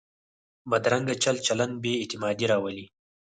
بدرنګه چل چلند بې اعتمادي راولي